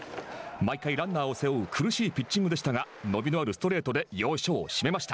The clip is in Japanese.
毎回ランナーを背負う苦しいピッチングでしたが伸びのあるストレートで要所を締めました。